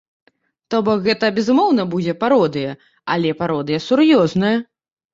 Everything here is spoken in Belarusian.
То бок, гэта безумоўна будзе пародыя, але пародыя сур'ёзная.